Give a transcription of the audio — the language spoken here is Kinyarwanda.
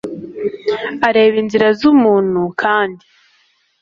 areba inzira z umuntu v kandi